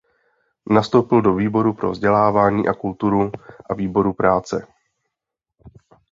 Nastoupil do výboru pro vzdělávání a kulturu a výboru práce.